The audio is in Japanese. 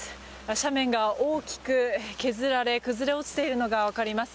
斜面が大きく削られ崩れ落ちているのがわかります。